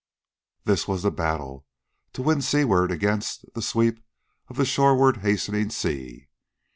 This was the battle to win seaward against the sweep of the shoreward hastening sea.